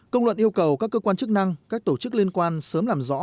công luận yêu cầu các cơ quan chức năng các tổ chức liên quan sớm làm rõ